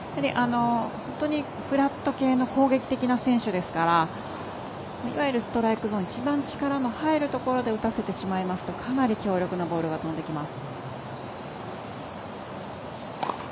本当にフラット系の攻撃的な選手ですからいわゆるストライクゾーン一番力の入るところで打たせてしまいますとかなり強力なボールが飛んできます。